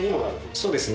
そうですね。